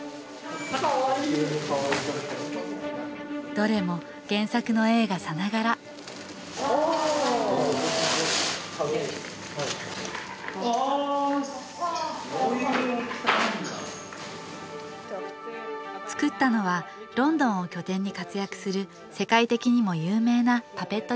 どれも原作の映画さながら作ったのはロンドンを拠点に活躍する世界的にも有名なパペット